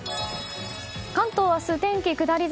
関東明日、天気下り坂。